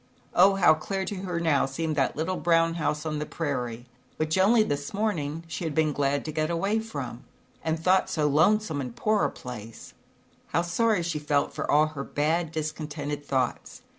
Oh, how dear to her now seemed that little brown house on the prairie, which only this morning she had been glad to get away from, and thought so lonesome and poor a place. will I] ZAUBERLINDA, THE WISE WITCH. 121 How sorry she felt for all her bad, dis contented thoughts.